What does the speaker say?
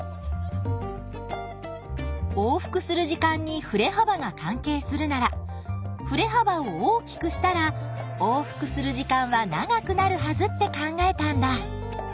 往復する時間にふれ幅が関係するならふれ幅を大きくしたら往復する時間は長くなるはずって考えたんだ。